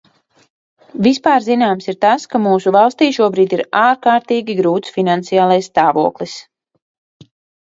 Vispārzināms ir tas, ka mūsu valstī šobrīd ir ārkārtīgi grūts finansiālais stāvoklis.